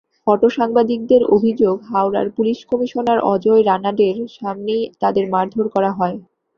ফটোসাংবাদিকদের অভিযোগ, হাওড়ার police commissioner Ajay রানাডের সামনেই তাঁদের মারধর করা হয়।